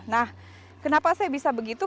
nah kenapa saya bisa begitu